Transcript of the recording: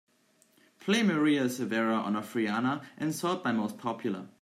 Play Maria Severa Onofriana and sort by most popular.